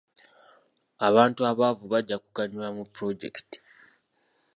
Abantu abaavu bajja kuganyulwa mu pulojekiti.